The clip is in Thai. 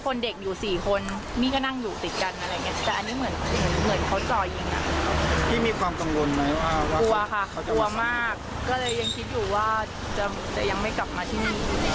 ก็เลยยังคิดอยู่ว่าจะยังไม่กลับมาที่นี่